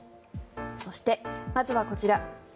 そして、まずはこちら。